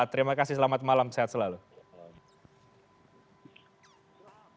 terima kasih selamat malam sehat selalu